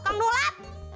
di kantor bapak